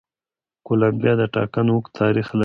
کولمبیا د ټاکنو اوږد تاریخ لري.